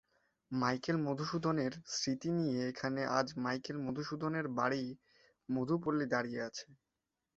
Michael Madhusudan এর স্মৃতি নিয়ে এখানে আজ মাইকেল মধুসূদন এর বাড়ি মধু পল্লী দাঁড়িয়ে আছে।